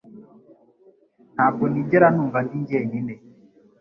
Ntabwo nigera numva ndi jyenyine